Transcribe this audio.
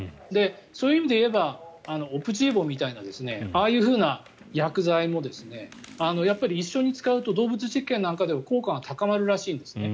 そういう意味で言えばオプジーボみたいなああいうふうな薬剤もやっぱり一緒に使うと動物実験なんかでは効果が高まるらしいんですね。